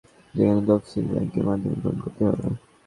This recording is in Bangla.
বিদেশ থেকে পাওয়া অনুদান যেকোনো তফশিলি ব্যাংকের মাধ্যমে গ্রহণ করতে হবে।